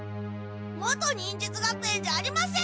元忍術学園じゃありません！